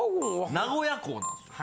名古屋校なんです。